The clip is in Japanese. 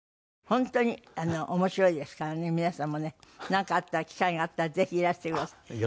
本当に面白いですからね皆さんもねなんかあったら機会があったらぜひいらしてください。